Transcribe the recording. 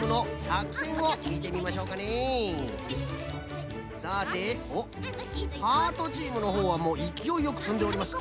さておっハートチームのほうはいきおいよくつんでおります。